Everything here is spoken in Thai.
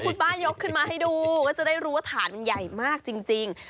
คุณป้ายกขึ้นมาให้ดูก็จะได้รู้ว่าฐานมันใหญ่มากจริง